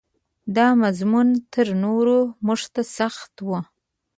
دا مضمون تر نورو موږ ته سخت و.